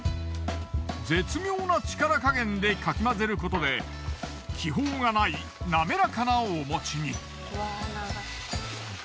絶妙な力加減でかき混ぜることで気泡がないなめらかなおもちに。